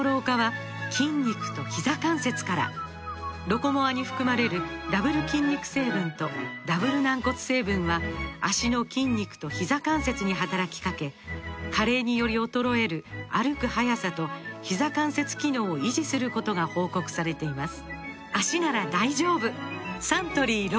「ロコモア」に含まれるダブル筋肉成分とダブル軟骨成分は脚の筋肉とひざ関節に働きかけ加齢により衰える歩く速さとひざ関節機能を維持することが報告されています